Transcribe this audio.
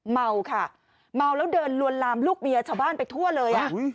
เมาค่ะเมาแล้วเดินลวนลามลูกเมียชาวบ้านไปทั่วเลย